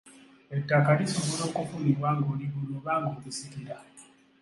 Ettaka lisobola okufunibwa ng'oligula oba okulisikira.